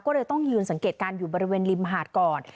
ก็เลยต้องยืนสังเกตการณ์อยู่บริเวณริมหาดก่อน